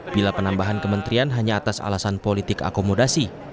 bila penambahan kementerian hanya atas alasan politik akomodasi